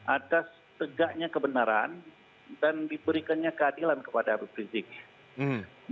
ada segaknya kebenaran dan diberikannya keadilan kepada abid rizie